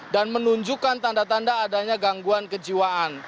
dan menunjukkan tanda tanda adanya gangguan kejiwaan